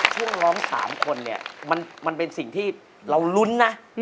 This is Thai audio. ช่วงร้อง๓คนเนี่ยมันเป็นสิ่งที่เรารุ้นนะ